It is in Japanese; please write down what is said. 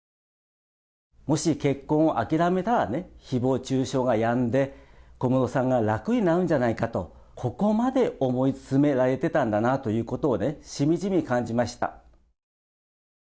もし結婚を諦めたらね、ひぼう中傷がやんで、小室さんが楽になるんじゃないかと、ここまで思い詰められてたんだなということをしみじみ感じました。